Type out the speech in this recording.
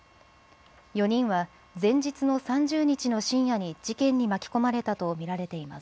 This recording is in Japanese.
４人は前日の３０日の深夜に事件に巻き込まれたと見られています。